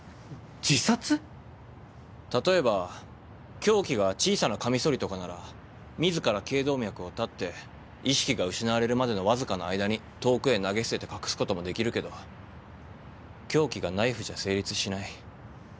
例えば凶器が小さなカミソリとかなら自ら頸動脈をたって意識が失われるまでのわずかな間に遠くへ投げ捨てて隠すこともできるけど凶器がナイフじゃ成立しない。